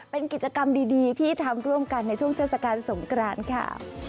เป็นกิจกรรมดีที่ทำร่วมกันในช่วงเทศกาลสงกรานค่ะ